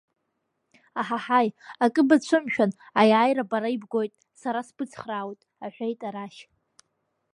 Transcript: Аҳаҳаи, акы бацәымшәан, аиааира бара ибгоит, сара сбыцхраауеит, — аҳәеит арашь.